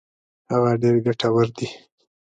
هغه ډېر ګټور دي.